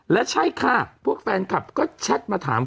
และใช่ค่ะพวกแฟนคลับก็แชทมาถาม